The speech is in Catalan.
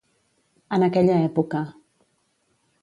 En aquella època.